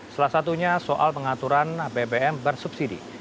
salah satunya soal pengaturan bbm bersubsidi